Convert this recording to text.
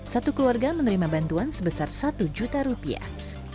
satu keluarga menerima bantuan sebesar satu juta rupiah